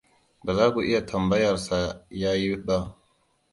Ba za ku iya tambayar sa ya yi ba.